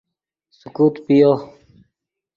سیکوت پیو